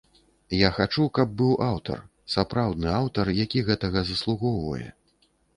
Я хачу, каб быў аўтар, сапраўдны аўтар, які гэтага заслугоўвае.